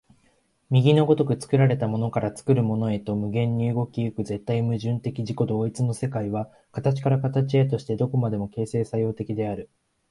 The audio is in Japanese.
右の如く作られたものから作るものへと無限に動き行く絶対矛盾的自己同一の世界は、形から形へとして何処までも形成作用的である。